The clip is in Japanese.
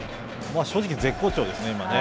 正直絶好調ですね、今。